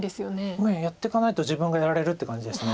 右辺やっていかないと自分がやられるって感じです